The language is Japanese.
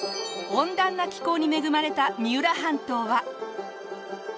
温暖な気候に恵まれた三浦半島は。